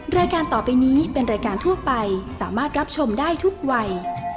รายการต่อไปนี้เป็นรายการทั่วไปสามารถรับชมได้ทุกวัย